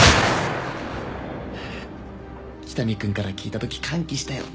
北見君から聞いたとき歓喜したよ。